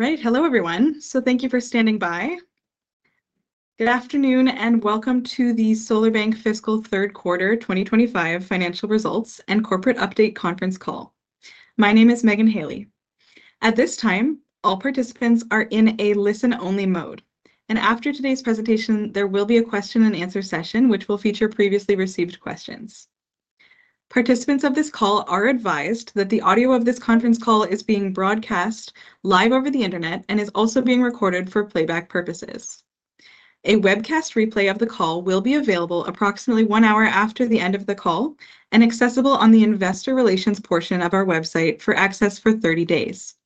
All right, hello everyone. Thank you for standing by. Good afternoon and welcome to the SolarBank Fiscal Third Quarter 2025 Financial Results and Corporate Update Conference Call. My name is Megan Haley. At this time, all participants are in a listen-only mode, and after today's presentation, there will be a question-and-answer session which will feature previously received questions. Participants of this call are advised that the audio of this conference call is being broadcast live over the Internet and is also being recorded for playback purposes. A webcast replay of the call will be available approximately one hour after the end of the call and accessible on the Investor Relations portion of our website for access for 30 days.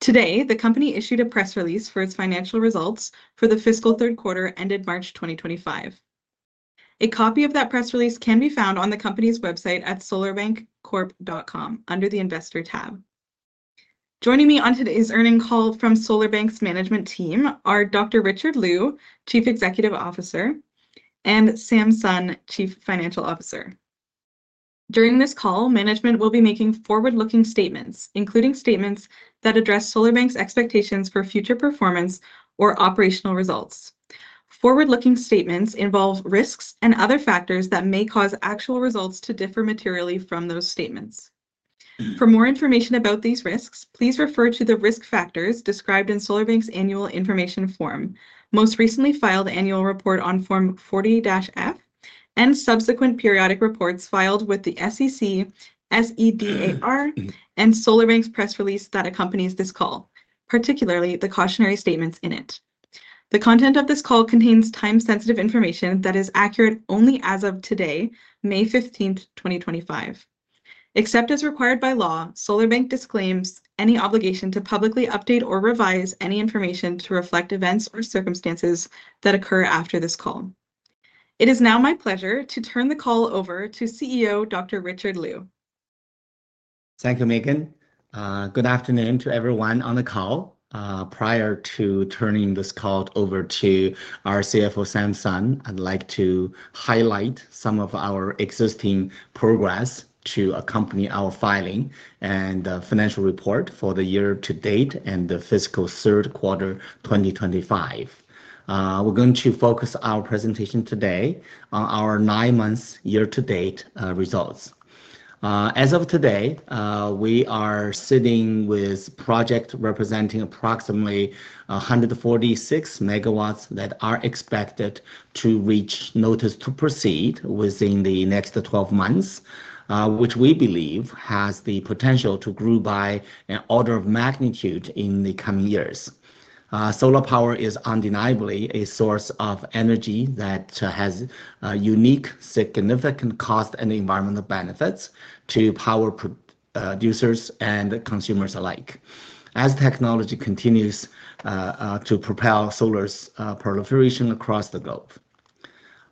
Today, the company issued a press release for its financial results for the fiscal third quarter ended March 2025. A copy of that press release can be found on the company's website at solarbankcorp.com under the Investor tab. Joining me on today's earnings call from SolarBank's management team are Dr. Richard Lu, Chief Executive Officer, and Sam Sun, Chief Financial Officer. During this call, management will be making forward-looking statements, including statements that address SolarBank's expectations for future performance or operational results. Forward-looking statements involve risks and other factors that may cause actual results to differ materially from those statements. For more information about these risks, please refer to the risk factors described in SolarBank's annual information form, most recently filed annual report on Form 40-F, and subsequent periodic reports filed with the SEC, SEDAR, and SolarBank's press release that accompanies this call, particularly the cautionary statements in it. The content of this call contains time-sensitive information that is accurate only as of today, May 15th, 2025. Except as required by law, SolarBank disclaims any obligation to publicly update or revise any information to reflect events or circumstances that occur after this call. It is now my pleasure to turn the call over to CEO Dr. Richard Lu. Thank you, Megan. Good afternoon to everyone on the call. Prior to turning this call over to our CFO, Sam Sun, I'd like to highlight some of our existing progress to accompany our filing and the financial report for the year to date and the fiscal third quarter 2025. We're going to focus our presentation today on our nine-month year-to-date results. As of today, we are sitting with projects representing approximately 146 MW that are expected to reach notice to proceed within the next 12 months, which we believe has the potential to grow by an order of magnitude in the coming years. Solar power is undeniably a source of energy that has unique, significant cost and environmental benefits to power producers and consumers alike as technology continues to propel solar's proliferation across the globe.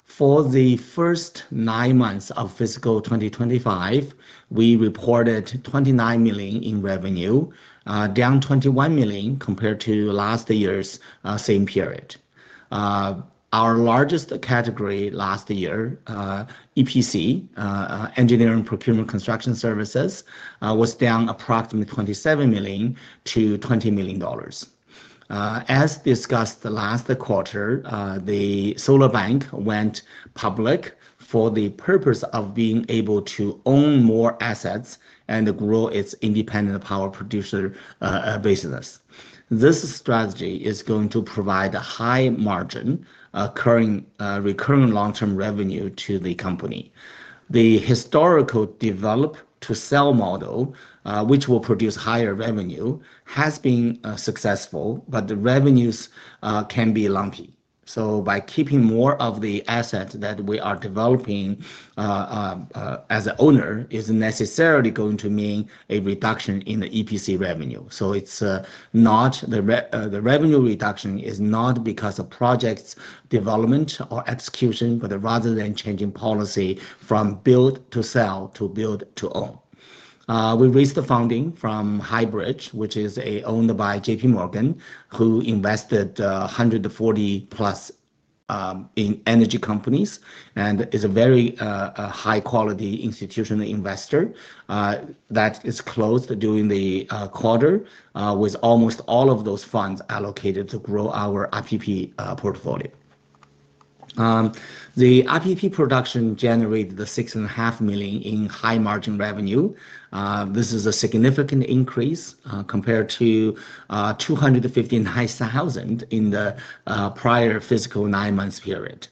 For the first nine months of fiscal 2025, we reported 29 million in revenue, down 21 million compared to last year's same period. Our largest category last year, EPC, Engineering Procurement Construction Services, was down approximately 27 million to 20 million dollars. As discussed last quarter, SolarBank went public for the purpose of being able to own more assets and grow its independent power producer business. This strategy is going to provide a high margin recurring long-term revenue to the company. The historical develop-to-sell model, which will produce higher revenue, has been successful, but the revenues can be lumpy. By keeping more of the assets that we are developing as an owner is necessarily going to mean a reduction in the EPC revenue. The revenue reduction is not because of projects' development or execution, but rather the changing policy from build-to-sell to build-to-own. We raised the funding from Highbridge, which is owned by JPMorgan, who invested in 140+ energy companies and is a very high-quality institutional investor that is closed during the quarter with almost all of those funds allocated to grow our IPP portfolio. The IPP production generated the 6.5 million in high-margin revenue. This is a significant increase compared to 215,000 in the prior fiscal nine-month period.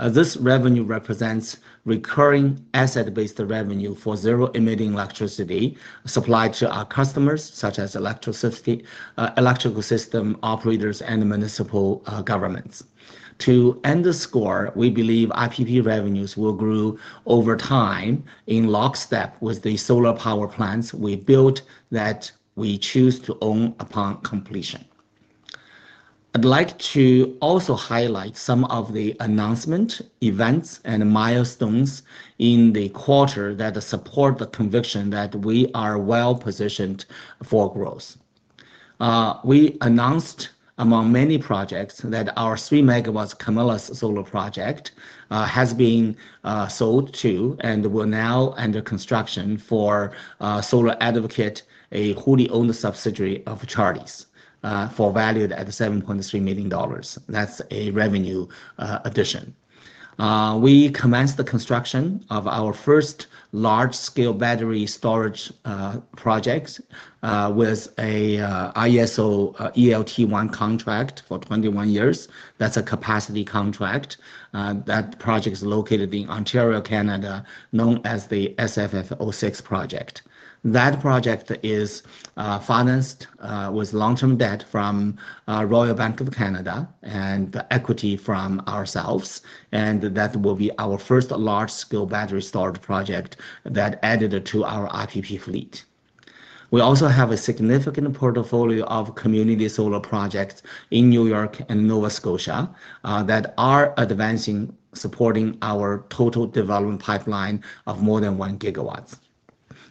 This revenue represents recurring asset-based revenue for zero-emitting electricity supplied to our customers, such as electrical system operators and municipal governments. To underscore, we believe IPP revenues will grow over time in lockstep with the solar power plants we built that we choose to own upon completion. I'd like to also highlight some of the announcement events and milestones in the quarter that support the conviction that we are well-positioned for growth. We announced among many projects that our 3 MW Camillus Solar Project has been sold to and will now enter construction for Solar Advocate, a wholly-owned subsidiary of [Charleys], for valued at $7.3 million. That's a revenue addition. We commenced the construction of our first large-scale battery storage project with an IESO EL1 contract for 21 years. That's a capacity contract. That project is located in Ontario, Canada, known as the SFF-06 Project. That project is financed with long-term debt from Royal Bank of Canada and equity from ourselves, and that will be our first large-scale battery storage project that added to our IPP fleet. We also have a significant portfolio of community solar projects in New York and Nova Scotia that are advancing, supporting our total development pipeline of more than 1 GW.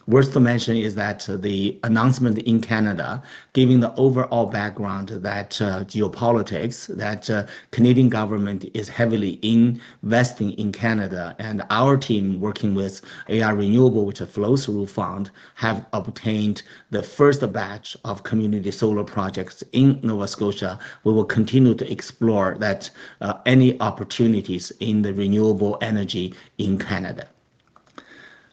Worth to mention is that the announcement in Canada, giving the overall background that geopolitics, that the Canadian government is heavily investing in Canada, and our team working with AI Renewable, which is a Flow-Through Fund, have obtained the first batch of community solar projects in Nova Scotia. We will continue to explore any opportunities in the renewable energy in Canada.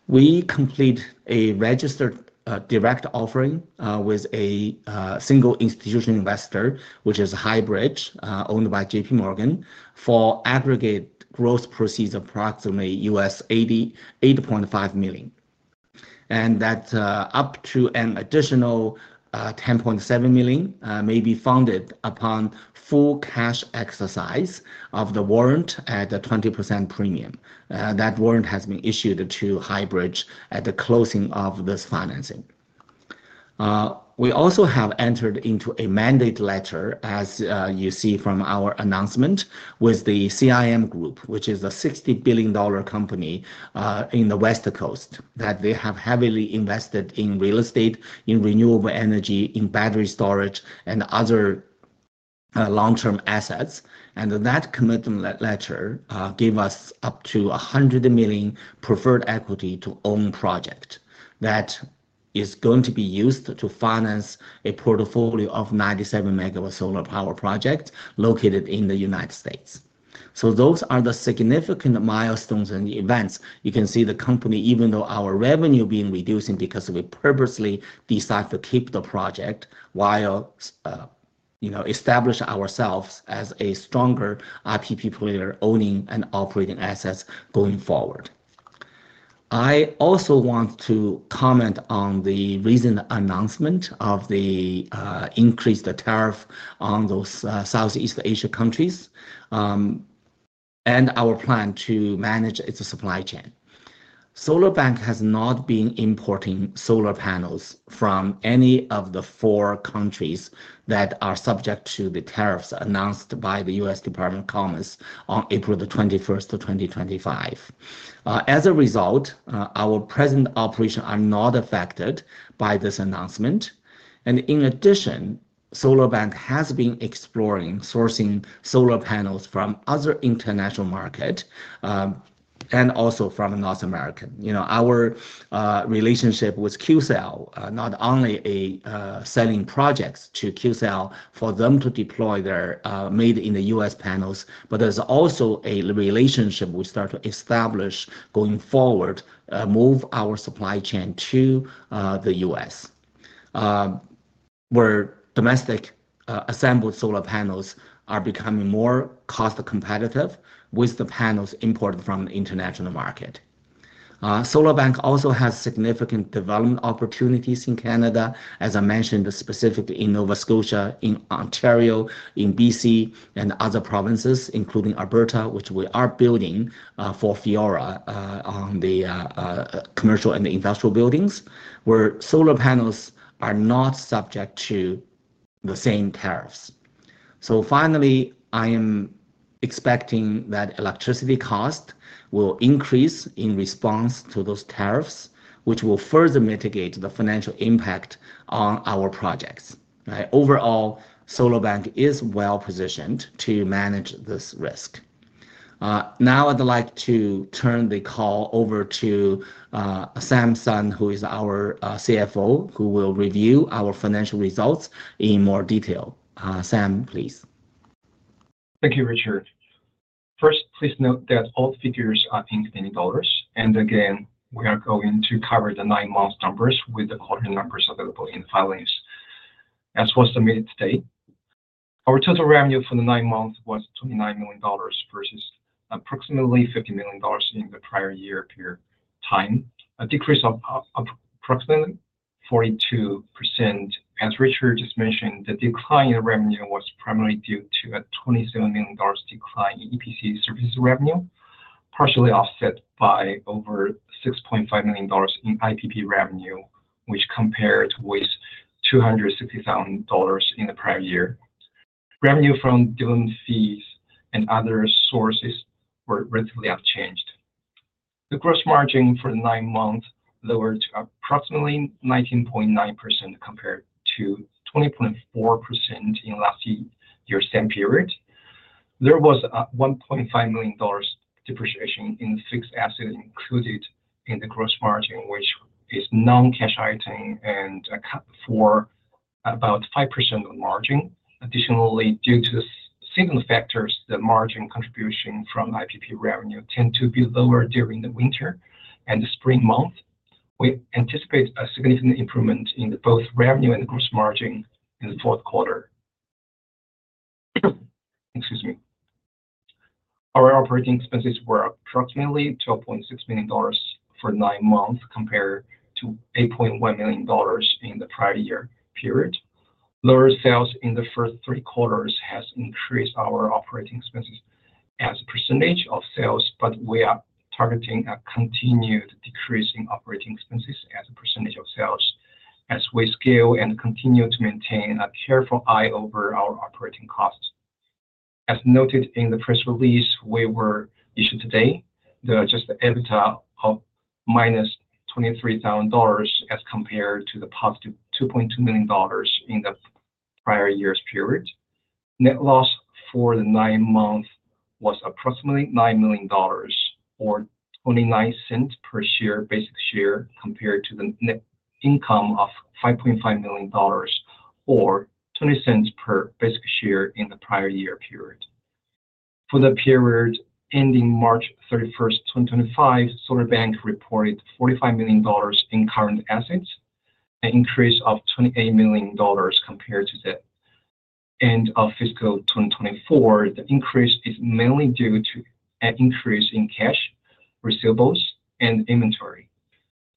We complete a registered direct offering with a single institutional investor, which is Highbridge, owned by JPMorgan, for aggregate gross proceeds of approximately $88.5 million. Up to an additional $10.7 million may be funded upon full cash exercise of the warrant at a 20% premium. That warrant has been issued to Highbridge at the closing of this financing. We also have entered into a mandate letter, as you see from our announcement, with the CIM Group, which is a $60 billion company in the West Coast, that they have heavily invested in real estate, in renewable energy, in battery storage, and other long-term assets. That commitment letter gave us up to $100 million preferred equity to own project that is going to be used to finance a portfolio of 97 MW solar power projects located in the United States. Those are the significant milestones and events. You can see the company, even though our revenue is being reduced because we purposely decided to keep the project while establishing ourselves as a stronger IPP player owning and operating assets going forward. I also want to comment on the recent announcement of the increased tariff on those Southeast Asian countries and our plan to manage its supply chain. SolarBank has not been importing solar panels from any of the four countries that are subject to the tariffs announced by the U.S. Department of Commerce on April 21, 2025. As a result, our present operations are not affected by this announcement. In addition, SolarBank has been exploring sourcing solar panels from other international markets and also from North America. Our relationship with Qcells, not only selling projects to Qcells for them to deploy their made-in-the-U.S. panels, but there's also a relationship we start to establish going forward, move our supply chain to the U.S., where domestic assembled solar panels are becoming more cost competitive with the panels imported from the international market. SolarBank also has significant development opportunities in Canada, as I mentioned, specifically in Nova Scotia, in Ontario, in BC, and other provinces, including Alberta, which we are building for Fiera on the commercial and industrial buildings, where solar panels are not subject to the same tariffs. Finally, I am expecting that electricity costs will increase in response to those tariffs, which will further mitigate the financial impact on our projects. Overall, SolarBank is well-positioned to manage this risk. Now, I'd like to turn the call over to Sam Sun, who is our CFO, who will review our financial results in more detail. Sam, please. Thank you, Richard. First, please note that all figures are in CAD. Again, we are going to cover the nine-month numbers with the quarter numbers available in the filings as was submitted today. Our total revenue for the nine months was 29 million dollars versus approximately 50 million dollars in the prior year-peer time, a decrease of approximately 42%. As Richard just mentioned, the decline in revenue was primarily due to a 27 million dollars decline in EPC services revenue, partially offset by over 6.5 million dollars in IPP revenue, which compared with 260,000 dollars in the prior year. Revenue from different fees and other sources were relatively unchanged. The gross margin for the nine months lowered to approximately 19.9% compared to 20.4% in last year's same period. There was a 1.5 million dollars depreciation in the fixed asset included in the gross margin, which is a non-cash item and for about 5% of the margin. Additionally, due to seasonal factors, the margin contribution from IPP revenue tends to be lower during the winter and the spring months. We anticipate a significant improvement in both revenue and gross margin in the fourth quarter. Excuse me. Our operating expenses were approximately 12.6 million dollars for nine months compared to 8.1 million dollars in the prior year period. Lower sales in the first three quarters have increased our operating expenses as a percentage of sales, but we are targeting a continued decrease in operating expenses as a percentage of sales as we scale and continue to maintain a careful eye over our operating costs. As noted in the press release we were issued today, there are just the EBITDA of -23,000 dollars as compared to the positive 2.2 million dollars in the prior year's period. Net loss for the nine months was approximately 9 million dollars or 0.29 per share basic share compared to the net income of 5.5 million dollars or 0.20 per basic share in the prior year period. For the period ending March 31st 2025, SolarBank reported 45 million dollars in current assets, an increase of 28 million dollars compared to the end of fiscal 2024. The increase is mainly due to an increase in cash receivables and inventory.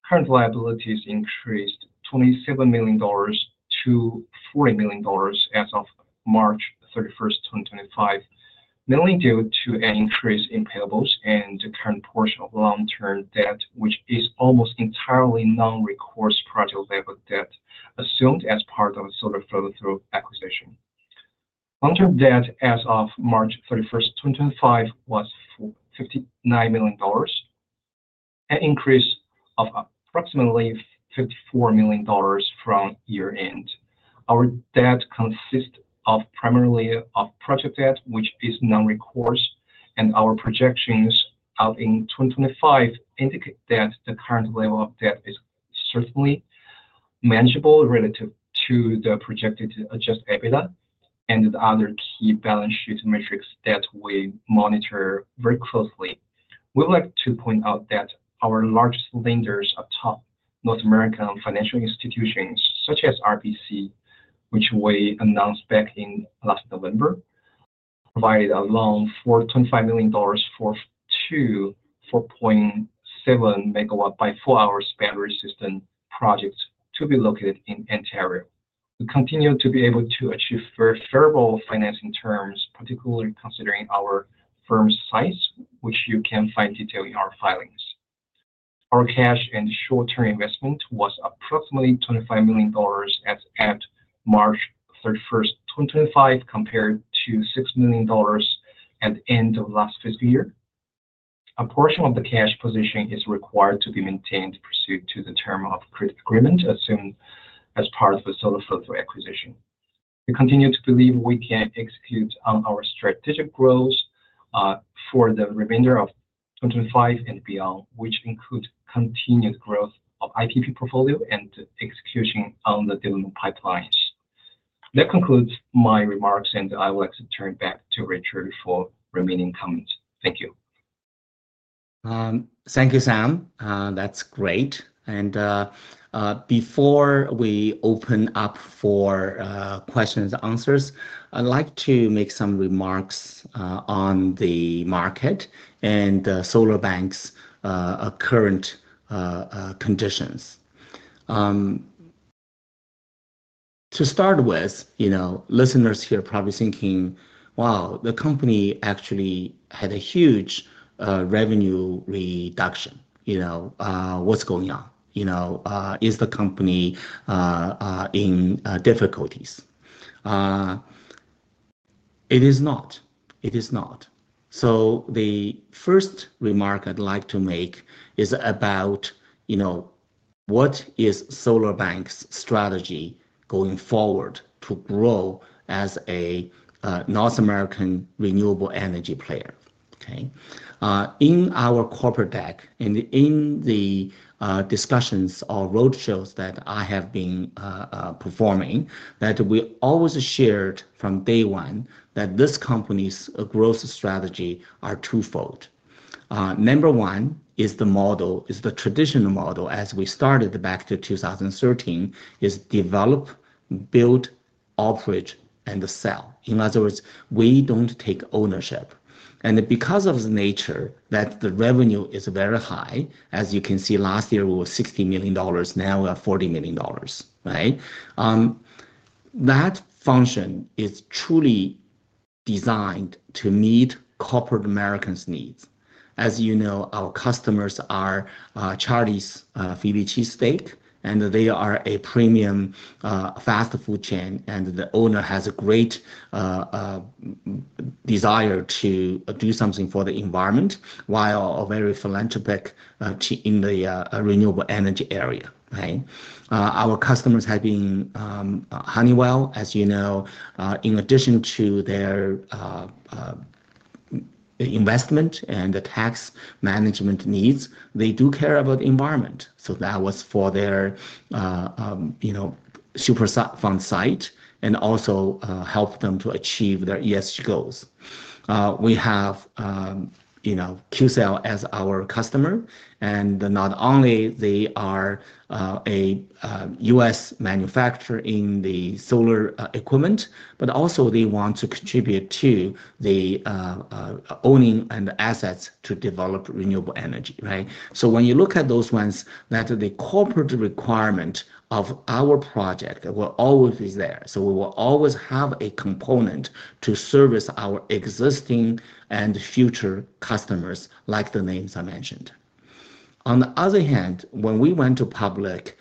Current liabilities increased 27 million dollars to 40 million dollars as of March 31st 2025, mainly due to an increase in payables and the current portion of long-term debt, which is almost entirely non-recourse project level debt assumed as part of the Solar Flow-Through Fund acquisition. Long-term debt as of March 31st 2025, was 59 million dollars, an increase of approximately 54 million dollars from year-end. Our debt consists primarily of project debt, which is non-recourse, and our projections out in 2025 indicate that the current level of debt is certainly manageable relative to the projected adjusted EBITDA and the other key balance sheet metrics that we monitor very closely. We would like to point out that our largest lenders are top North American financial institutions, such as RBC, which we announced back in last November, provided a loan for 25 million dollars for two 4.7 MW by four-hour battery system projects to be located in Ontario. We continue to be able to achieve very favorable financing terms, particularly considering our firm's size, which you can find detailed in our filings. Our cash and short-term investment was approximately 25 million dollars as at March 31st 2025, compared to 6 million dollars at the end of last fiscal year. A portion of the cash position is required to be maintained pursuant to the term of the credit agreement assumed as part of the Solar Flow-Through Funds acquisition. We continue to believe we can execute on our strategic growth for the remainder of 2025 and beyond, which includes continued growth of IPP portfolio and execution on the development pipelines. That concludes my remarks, and I would like to turn back to Richard for remaining comments. Thank you. Thank you, Sam. That's great. Before we open up for questions and answers, I'd like to make some remarks on the market and SolarBank's current conditions. To start with, listeners here are probably thinking, "Wow, the company actually had a huge revenue reduction. What's going on? Is the company in difficulties?" It is not. It is not. The first remark I'd like to make is about what is SolarBank's strategy going forward to grow as a North American renewable energy player. Okay? In our corporate deck and in the discussions or roadshows that I have been performing, we always shared from day one that this company's growth strategy is twofold. Number one is the traditional model, as we started back to 2013, is develop, build, operate, and sell. In other words, we don't take ownership. Because of the nature that the revenue is very high, as you can see, last year we were 60 million dollars, now we are 40 million dollars, right? That function is truly designed to meet corporate Americans' needs. As you know, our customers are Checkers, and they are a premium fast food chain, and the owner has a great desire to do something for the environment while very philanthropic in the renewable energy area. Our customers have been Honeywell, as you know. In addition to their investment and the tax management needs, they do care about the environment. That was for their superfund site and also helped them to achieve their ESG goals. We have Qcells as our customer, and not only are they a U.S. manufacturer in the solar equipment, but also they want to contribute to the owning and the assets to develop renewable energy, right? When you look at those ones, that the corporate requirement of our project will always be there. We will always have a component to service our existing and future customers, like the names I mentioned. On the other hand, when we went to public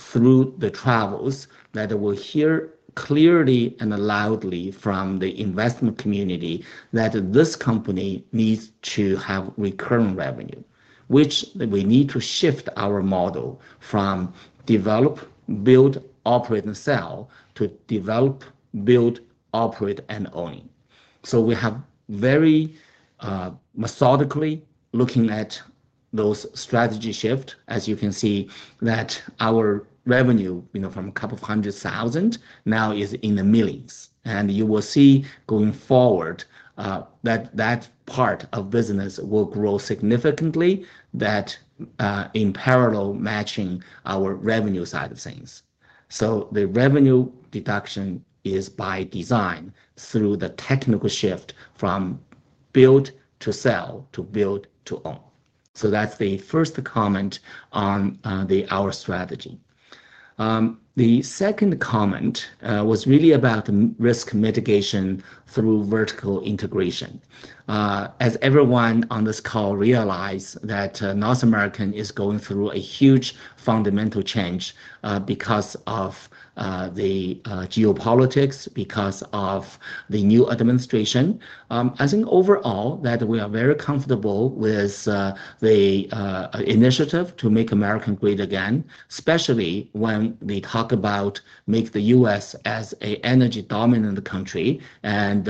through the travels, we hear clearly and loudly from the investment community that this company needs to have recurring revenue, which we need to shift our model from develop, build, operate, and sell to develop, build, operate, and own. We have very methodically looking at those strategy shifts, as you can see that our revenue from a couple of hundred thousand now is in the millions. You will see going forward that that part of business will grow significantly in parallel matching our revenue side of things. The revenue deduction is by design through the technical shift from build to sell to build to own. That is the first comment on our strategy. The second comment was really about risk mitigation through vertical integration. As everyone on this call realized, North America is going through a huge fundamental change because of the geopolitics, because of the new administration. I think overall that we are very comfortable with the initiative to make America great again, especially when we talk about making the U.S. as an energy-dominant country and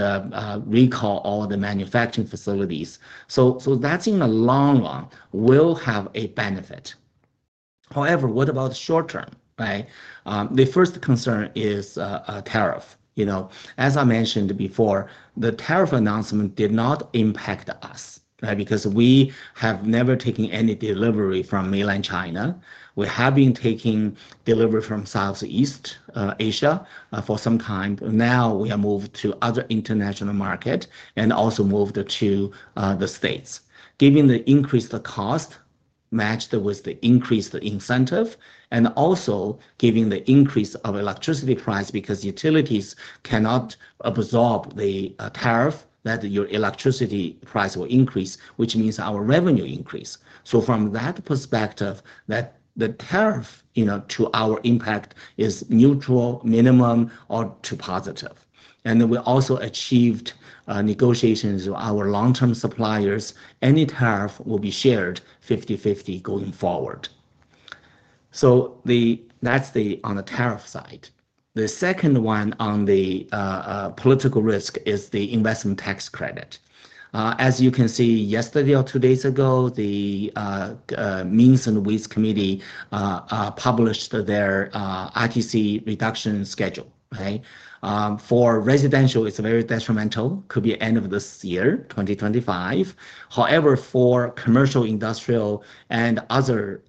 recall all the manufacturing facilities. That in the long run will have a benefit. However, what about the short term? The first concern is tariff. As I mentioned before, the tariff announcement did not impact us because we have never taken any delivery from mainland China. We have been taking delivery from Southeast Asia for some time. Now we have moved to other international markets and also moved to the States. Given the increased cost matched with the increased incentive and also given the increase of electricity price because utilities cannot absorb the tariff, your electricity price will increase, which means our revenue increase. From that perspective, the tariff to our impact is neutral, minimum, or to positive. We also achieved negotiations with our long-term suppliers. Any tariff will be shared 50% going forward. That is on the tariff side. The second one on the political risk is the investment tax credit. As you can see, yesterday or two days ago, the Means and Ways Committee published their ITC reduction schedule. For residential, it's very detrimental. Could be end of this year, 2025. However, for commercial, industrial, and other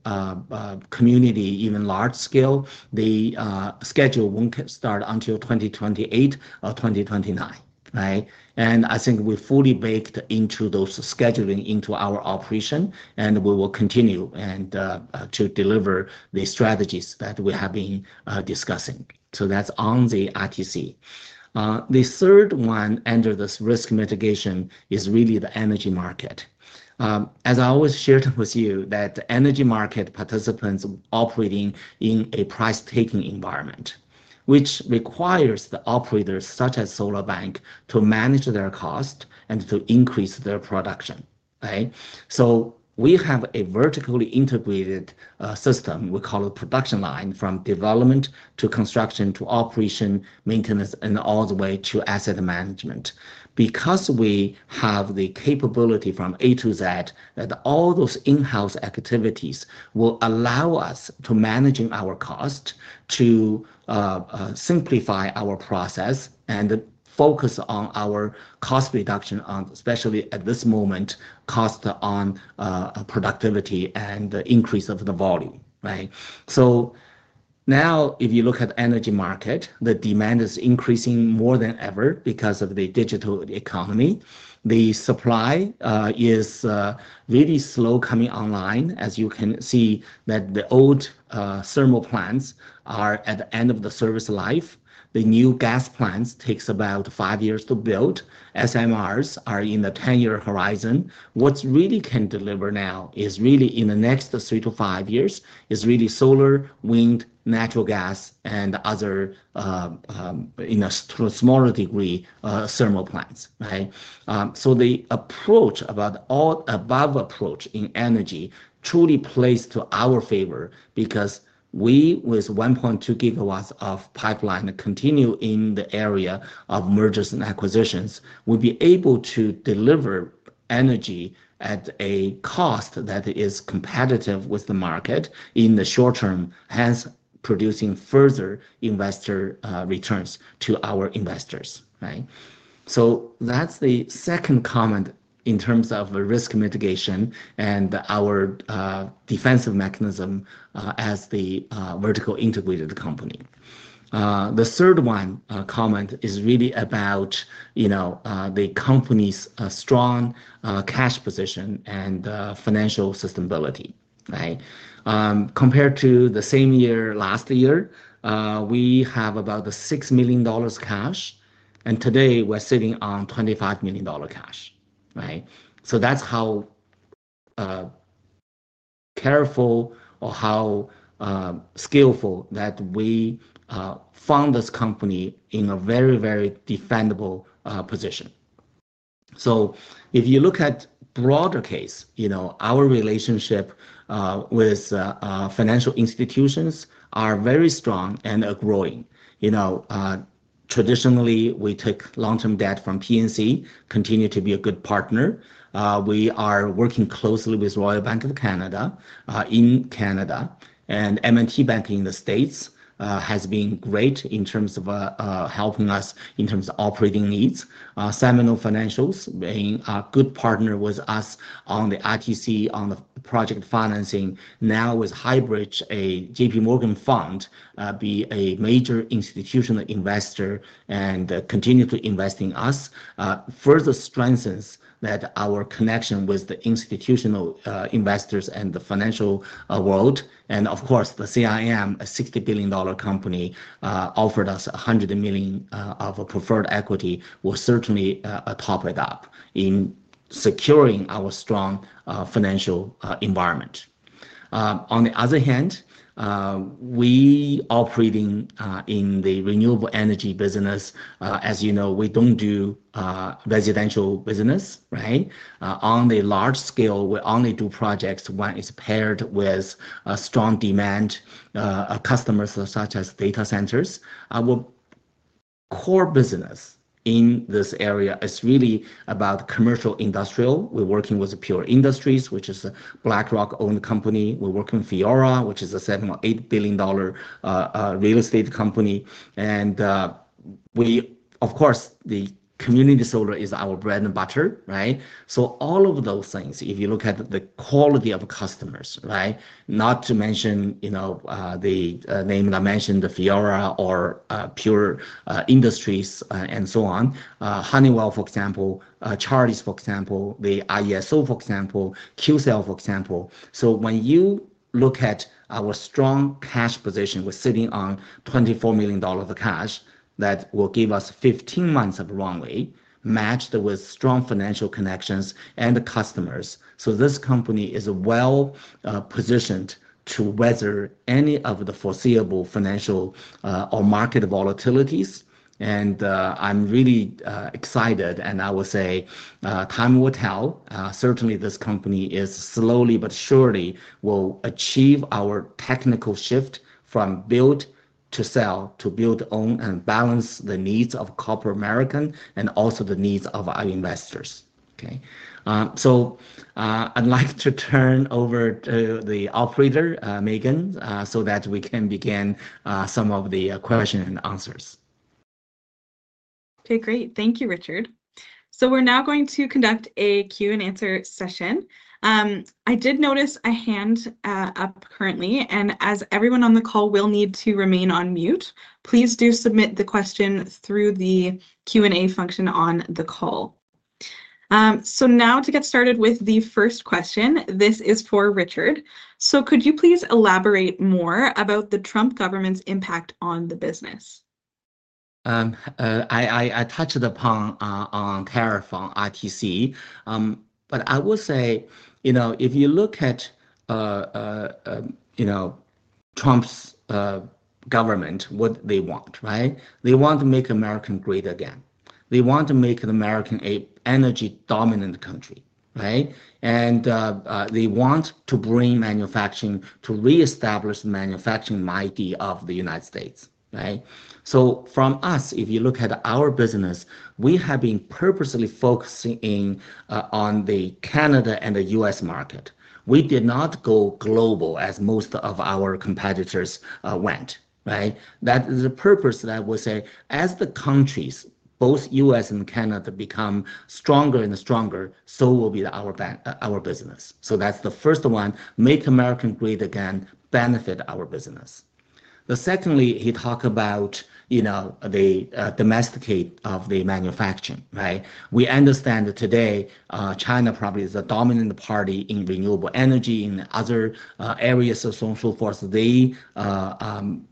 community, even large scale, the schedule will not start until 2028 or 2029. I think we fully baked those scheduling into our operation, and we will continue to deliver the strategies that we have been discussing. That is on the ITC. The third one under this risk mitigation is really the energy market. As I always shared with you, the energy market participants are operating in a price-taking environment, which requires the operators, such as SolarBank, to manage their cost and to increase their production. We have a vertically integrated system. We call it production line from development to construction to operation, maintenance, and all the way to asset management. Because we have the capability from A to Z that all those in-house activities will allow us to manage our cost, to simplify our process, and focus on our cost reduction, especially at this moment, cost on productivity and increase of the volume. Now, if you look at the energy market, the demand is increasing more than ever because of the digital economy. The supply is really slow coming online. As you can see, the old thermal plants are at the end of the service life. The new gas plants take about five years to build. SMRs are in the 10-year horizon. What really can deliver now is really in the next three to five years is really solar, wind, natural gas, and other, in a smaller degree, thermal plants. The approach about all above approach in energy truly plays to our favor because we, with 1.2 GW of pipeline continued in the area of mergers and acquisitions, will be able to deliver energy at a cost that is competitive with the market in the short term, hence producing further investor returns to our investors. That is the second comment in terms of risk mitigation and our defensive mechanism as the vertically integrated company. The third comment is really about the company's strong cash position and financial sustainability. Compared to the same year last year, we have about 6 million dollars cash, and today we're sitting on 25 million dollar cash. That is how careful or how skillful that we found this company in a very, very defendable position. If you look at a broader case, our relationship with financial institutions is very strong and growing. Traditionally, we took long-term debt from PNC, continue to be a good partner. We are working closely with Royal Bank of Canada in Canada, and M&T Bank in the States has been great in terms of helping us in terms of operating needs. Seminole Financials being a good partner with us on the ITC, on the project financing. Now with Highbridge, a JPMorgan fund, be a major institutional investor and continue to invest in us further strengthens our connection with the institutional investors and the financial world. Of course, CIM, a $60 billion company, offered us $100 million of preferred equity will certainly top it up in securing our strong financial environment. On the other hand, we operating in the renewable energy business, as you know, we do not do residential business. On the large scale, we only do projects when it's paired with strong demand of customers such as data centers. Our core business in this area is really about commercial industrial. We're working with Pure Industries, which is a BlackRock-owned company. We're working with Fiera, which is a $7 million or $8 billion real estate company. Of course, the community solar is our bread and butter. All of those things, if you look at the quality of customers, not to mention the name that I mentioned, the Fiera or Pure Industries and so on, Honeywell, for example, Charleys, for example, the IESO, for example, Qcells, for example. When you look at our strong cash position, we're sitting on 24 million dollars of cash that will give us 15 months of runway matched with strong financial connections and customers. This company is well positioned to weather any of the foreseeable financial or market volatilities. I'm really excited, and I will say time will tell. Certainly, this company slowly but surely will achieve our technical shift from build to sell to build, own, and balance the needs of corporate America and also the needs of our investors. I'd like to turn over to the operator, Megan, so that we can begin some of the questions and answers. Okay, great. Thank you, Richard. We're now going to conduct a Q&A session. I did notice a hand up currently, and as everyone on the call will need to remain on mute, please do submit the question through the Q&A function on the call. Now to get started with the first question, this is for Richard. Could you please elaborate more about the Trump government's impact on the business? I touched upon tariff on ITC, but I will say if you look at Trump's government, what they want, they want to make America great again. They want to make America an energy-dominant country. They want to bring manufacturing to reestablish manufacturing mighty of the United States. From us, if you look at our business, we have been purposely focusing on the Canada and the U.S. market. We did not go global as most of our competitors went. That is the purpose that we'll say as the countries, both U.S. and Canada, become stronger and stronger, so will be our business. That is the first one, make America great again, benefit our business. Secondly, he talked about the domesticate of the manufacturing. We understand today China probably is a dominant party in renewable energy and other areas of social force. They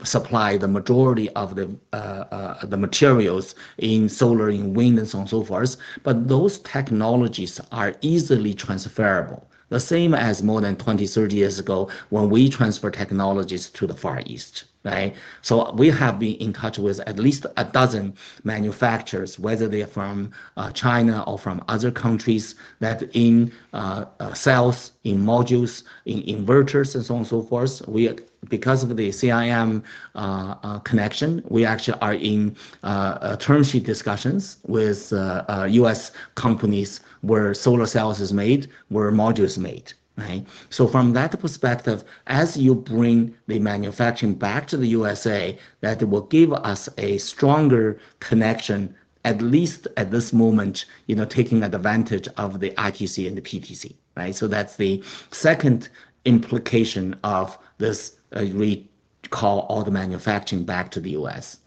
supply the majority of the materials in solar, in wind, and so on and so forth. Those technologies are easily transferable, the same as more than 20-30 years ago when we transferred technologies to the Far East. We have been in touch with at least a dozen manufacturers, whether they are from China or from other countries that are in sales, in modules, in inverters, and so on and so forth. Because of the CIM connection, we actually are in term sheet discussions with U.S. companies where solar cells are made, where modules are made. From that perspective, as you bring the manufacturing back to the U.S., that will give us a stronger connection, at least at this moment, taking advantage of the ITC and the PTC. That is the second implication of this recall, all the manufacturing back to the U.S..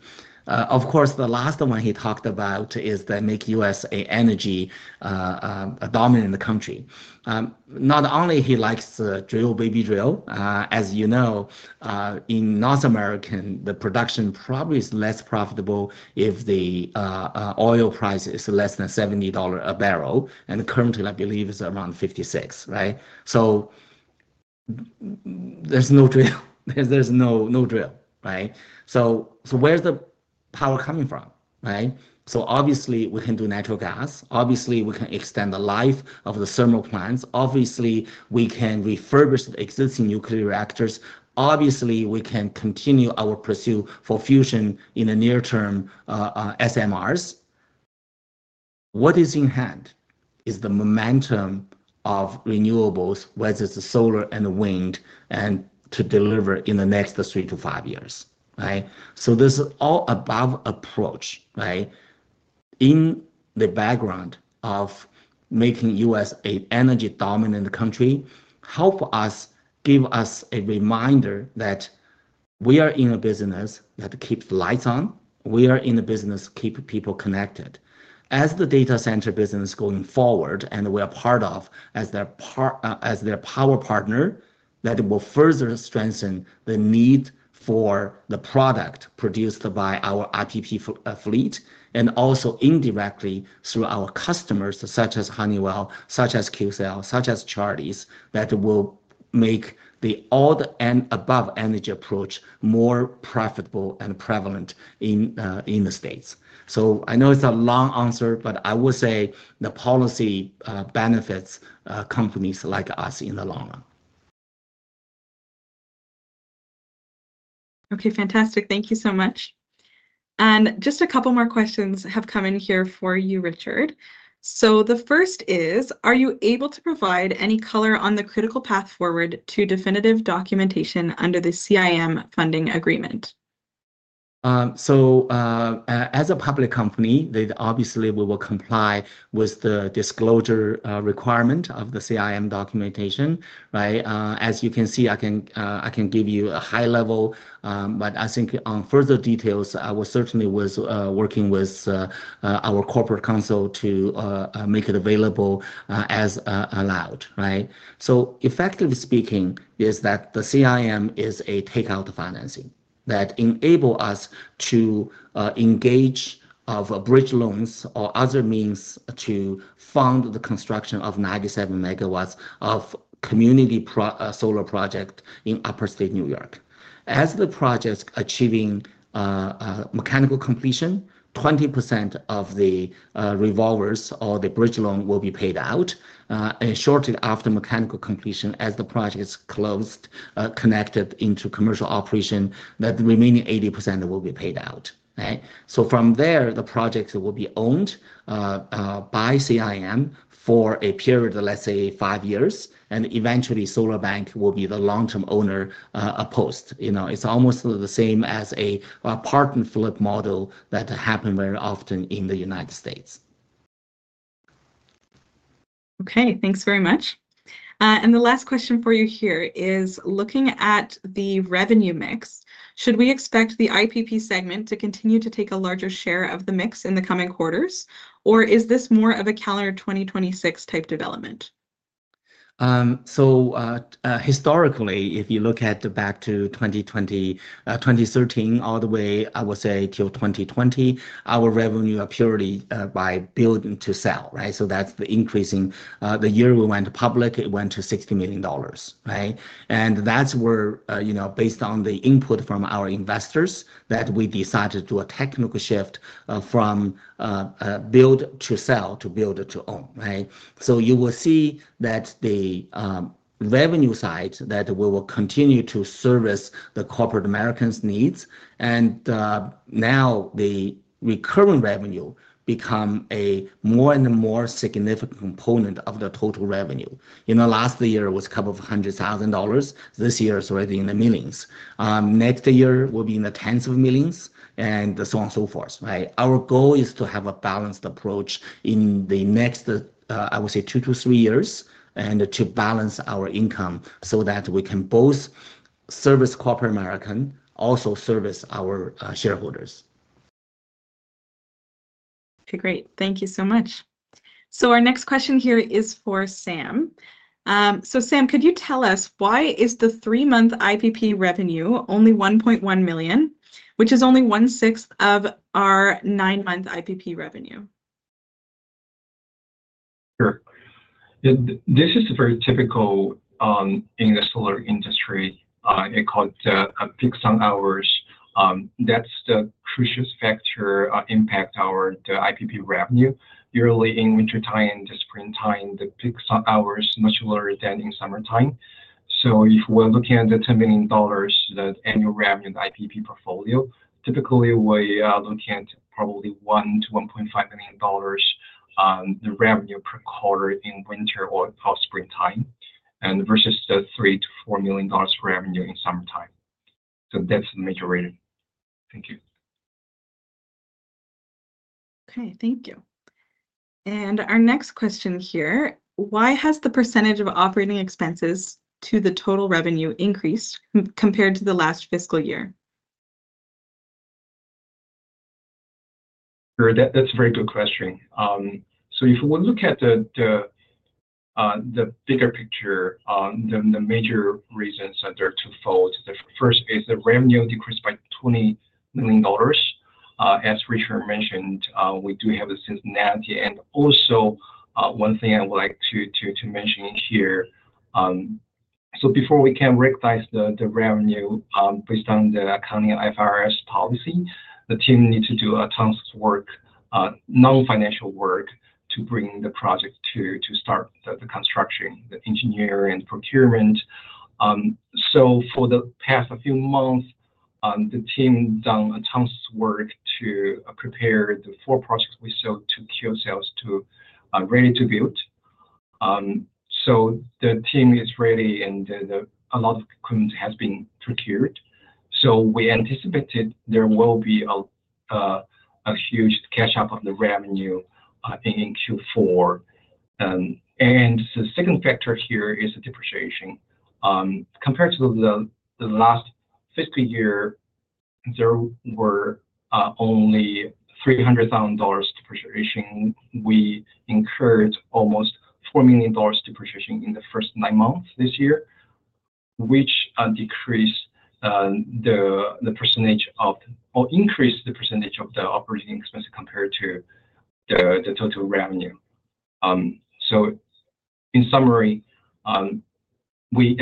Of course, the last one he talked about is that makes U.S. an energy-dominant country. Not only he likes the drill, baby drill. As you know, in North America, the production probably is less profitable if the oil price is less than $70 a barrel. Currently, I believe it is around $56. There is no drill. There is no drill. Where is the power coming from? Obviously, we can do natural gas. Obviously, we can extend the life of the thermal plants. Obviously, we can refurbish the existing nuclear reactors. Obviously, we can continue our pursuit for fusion in the near term, SMRs. What is in hand is the momentum of renewables, whether it is solar and wind, and to deliver in the next three to five years. This is all above approach. In the background of making U.S. an energy-dominant country, help us give us a reminder that we are in a business that keeps the lights on. We are in a business that keeps people connected. As the data center business going forward, and we are part of as their power partner, that will further strengthen the need for the product produced by our IPP fleet and also indirectly through our customers such as Honeywell, such as Qcells, such as Charleys, that will make the all the above energy approach more profitable and prevalent in the States. I know it's a long answer, but I will say the policy benefits companies like us in the long run. Okay, fantastic. Thank you so much. Just a couple more questions have come in here for you, Richard. The first is, are you able to provide any color on the critical path forward to definitive documentation under the CIM funding agreement? As a public company, obviously, we will comply with the disclosure requirement of the CIM documentation. As you can see, I can give you a high level, but I think on further details, I will certainly be working with our corporate counsel to make it available as allowed. Effectively speaking, the CIM is a takeout financing that enables us to engage bridge loans or other means to fund the construction of 97 MW of community solar project in Upstate New York. As the project achieves mechanical completion, 20% of the revolvers or the bridge loan will be paid out. Shortly after mechanical completion, as the project is closed, connected into commercial operation, the remaining 80% will be paid out. From there, the project will be owned by CIM for a period of, let's say, five years. Eventually, SolarBank will be the long-term owner post. It's almost the same as a part and flip model that happened very often in the United States. Okay, thanks very much. The last question for you here is, looking at the revenue mix, should we expect the IPP segment to continue to take a larger share of the mix in the coming quarters, or is this more of a calendar 2026 type development? Historically, if you look back to 2013 all the way, I will say till 2020, our revenue are purely by building to sell. That's the increasing the year we went public, it went to 60 million dollars. That is where, based on the input from our investors, we decided to do a technical shift from build to sell to build to own. You will see that on the revenue side we will continue to service corporate America's needs. Now the recurring revenue becomes a more and more significant component of the total revenue. In the last year, it was a couple of hundred thousand dollars. This year it is already in the millions. Next year will be in the tens of millions and so on and so forth. Our goal is to have a balanced approach in the next two to three years and to balance our income so that we can both service corporate America and also service our shareholders. Okay, great. Thank you so much. Our next question here is for Sam. Sam, could you tell us why is the three-month IPP revenue only 1.1 million, which is only one-sixth of our nine-month IPP revenue? Sure. This is very typical in the solar industry. It is called peak sun hours. That is the crucial factor impacting our IPP revenue. Early in wintertime and the springtime, the peak sun hours are much lower than in summertime. If we are looking at the 10 million dollars annual revenue in the IPP portfolio, typically we look at probably 1-1.5 million dollars in revenue per quarter in winter or springtime versus the 3-4 million dollars revenue in summertime. That is the major reason. Thank you. Okay, thank you. Our next question here, why has the percentage of operating expenses to the total revenue increased compared to the last fiscal year? That is a very good question. If we look at the bigger picture, the major reasons are twofold. The first is the revenue decreased by 20 million dollars. As Richard mentioned, we do have a seasonality. Also, one thing I would like to mention here, before we can recognize the revenue based on the accounting IFRS policy, the team needs to do a ton of work, non-financial work to bring the project to start the construction, the engineering, and procurement. For the past few months, the team has done a ton of work to prepare the four projects we sold to Qcells to ready to build. The team is ready and a lot of equipment has been procured. We anticipated there will be a huge catch-up of the revenue in Q4. The second factor here is depreciation. Compared to the last fiscal year, there were only 300,000 dollars depreciation. We incurred almost 4 million dollars depreciation in the first nine months this year, which decreased the percentage of or increased the percentage of the operating expenses compared to the total revenue. In summary, we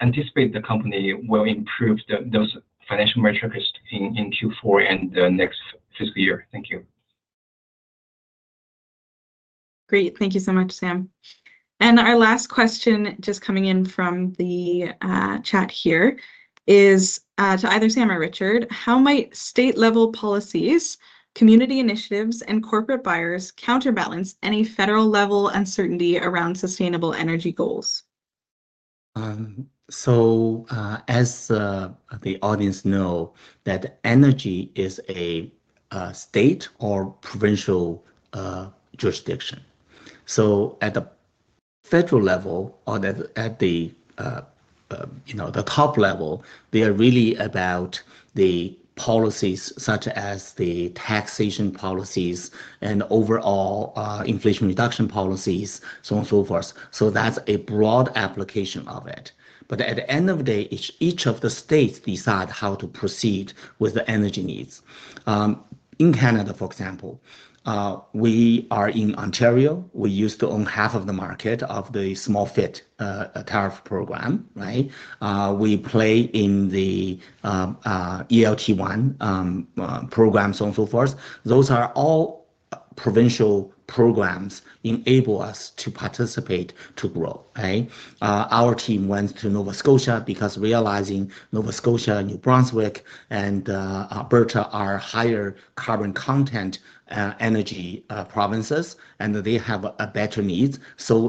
anticipate the company will improve those financial metrics in Q4 and the next fiscal year. Thank you. Great. Thank you so much, Sam. Our last question just coming in from the chat here is to either Sam or Richard, how might state-level policies, community initiatives, and corporate buyers counterbalance any federal-level uncertainty around sustainable energy goals? As the audience know, energy is a state or provincial jurisdiction. At the federal level or at the top level, they are really about the policies such as the taxation policies and overall inflation reduction policies, so on and so forth. That is a broad application of it. At the end of the day, each of the states decide how to proceed with the energy needs. In Canada, for example, we are in Ontario. We used to own half of the market of the small FIT tariff program. We play in the ELT1 program, so on and so forth. Those are all provincial programs enable us to participate to grow. Our team went to Nova Scotia because realizing Nova Scotia, New Brunswick, and Alberta are higher carbon content energy provinces, and they have better needs.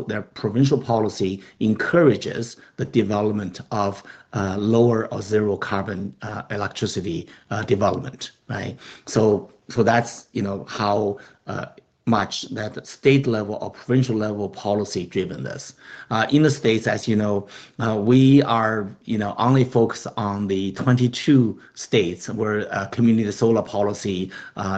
Their provincial policy encourages the development of lower or zero carbon electricity development. That is how much that state-level or provincial-level policy driven this. In the U.S., as you know, we are only focused on the 22 states where community solar policy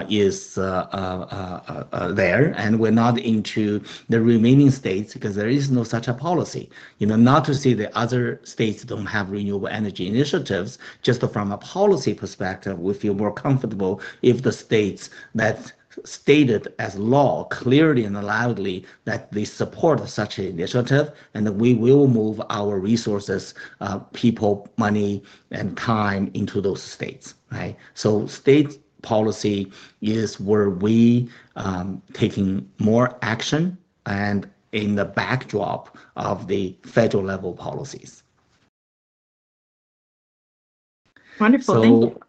is there. We are not into the remaining states because there is no such a policy. Not to say the other states do not have renewable energy initiatives. Just from a policy perspective, we feel more comfortable if the states that stated as law clearly and loudly that they support such an initiative, and we will move our resources, people, money, and time into those states. State policy is where we are taking more action in the backdrop of the federal-level policies. Wonderful. Thank you.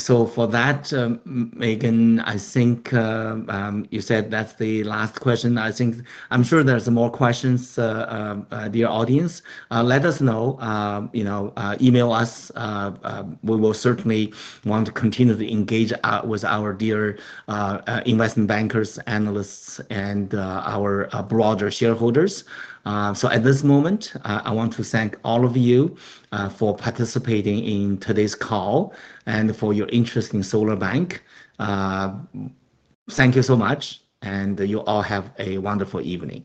For that, Megan, I think you said that is the last question. I am sure there are more questions, dear audience. Let us know. Email us. We will certainly want to continue to engage with our dear investment bankers, analysts, and our broader shareholders. At this moment, I want to thank all of you for participating in today's call and for your interest in SolarBank. Thank you so much. You all have a wonderful evening.